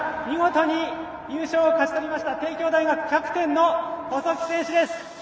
見事に優勝を勝ち取りました帝京大学キャプテンの細木選手です。